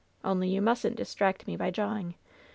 Only you mustn't distract me by jawing!"